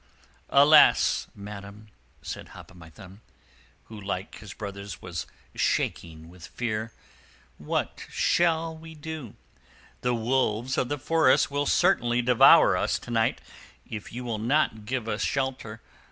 "Alas, madam," said Hop o' My Thumb, who like his brothers was shaking with fear, "what shall we do? The wolves of the forest will certainly devour us to night, if you will not give us shelter.